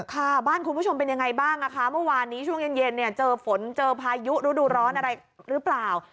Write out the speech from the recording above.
ค่ะบ้านคุณผู้ชมเป็นยังไงบ้างนะคะเมื่อวานนี้ช่วงเย็นเนี่ยเจอฝนเจอพายุฤดูร้อนอะไรหรือเปล่า